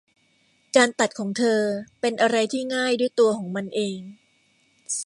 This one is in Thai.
การตัดของเธอเป็นอะไรที่ง่ายด้วยตัวมันเอง